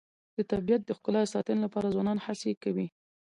د طبیعت د ښکلا د ساتنې لپاره ځوانان هڅې کوي.